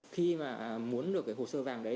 khi mà muốn được hồ sơ vàng đấy